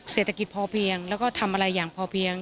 เศรษฐกิจพอเพียงแล้วก็ทำอะไรอย่างพอเพียง